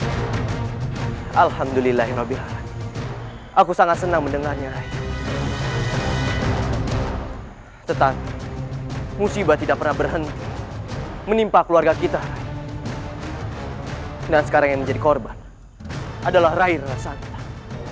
bisa melihat alhamdulillah ya rabbi aku sangat senang mendengarnya raih tetapi musibah tidak pernah berhenti menimpa keluarga kita dan sekarang yang menjadi korban adalah rairan santan